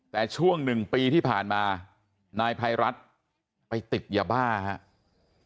แต่ช่วงหนึ่งปีที่ผ่านมานายภัยรัฐไปติดยาบ้าครับ